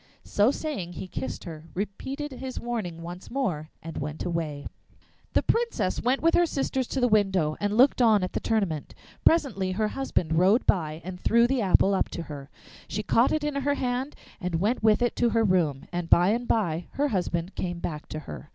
So saying, he kissed her, repeated his warning once more, and went away. The Princess went with her sisters to the window and looked on at the tournament. Presently her husband rode by and threw the apple up to her. She caught it in her hand and went with it to her room, and by and by her husband came back to her.